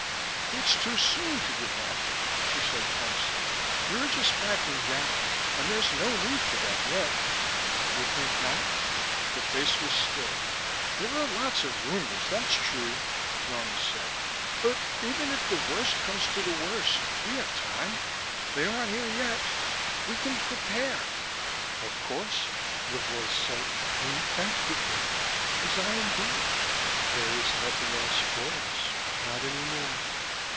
"It's too soon to give up," she said tensely. "You're just backing down, and there's no need for that yet " "You think not?" The face was still. "There are lots of rumors, that's true," Norma said. "But even if the worst comes to the worst we have time. They aren't here yet. We can prepare " "Of course," the voice said. "We can prepare as I am doing. There is nothing else for us, not any more.